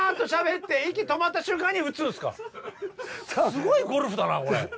すごいゴルフだなこれ。